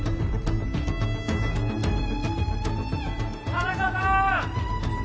田中さーん！